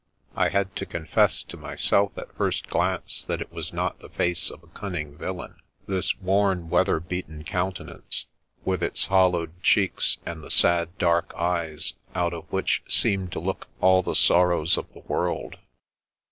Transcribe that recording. I had to confess to myself at first glance that it was not the face of a cunning villain, — this worn, weather beaten countenance, with its hol lowed cheeks, and the sad dark eyes, out of which seemed to look all the sorrows of the world.